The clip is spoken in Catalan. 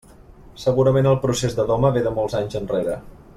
Segurament el procés de doma ve de molts anys enrere.